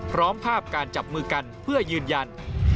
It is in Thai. พร้อมภาพการจับมือกันเพื่อยืนยัน